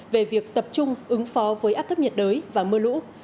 về việc tập trung ứng phó với áp thấp nhiệt đới và mưa lũ